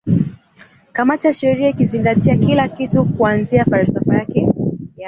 kamati ya sheria ikizingatia kila kitu kuanzia falsafa yake ya